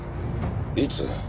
いつ？